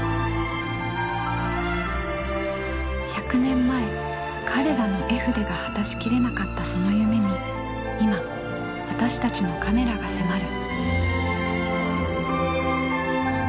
１００年前彼らの絵筆が果たし切れなかったその夢に今私たちのカメラが迫る。